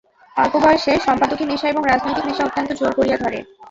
অল্প বয়সে সম্পাদকি নেশা এবং রাজনৈতিক নেশা অত্যন্ত জোর করিয়া ধরে।